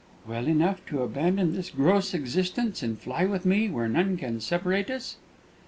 "Well enough to abandon this gross existence, and fly with me where none can separate us?"